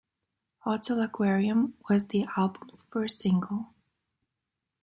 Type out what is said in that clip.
"Hotel Aquarium" was the album's first single.